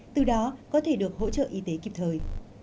từ đó có thể được hỗ trợ y tế kịp thời